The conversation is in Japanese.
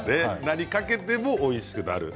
何かけてもおいしくなる。